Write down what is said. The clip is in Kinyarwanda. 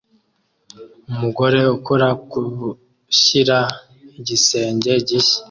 Umugabo ukora ku gushyira igisenge gishya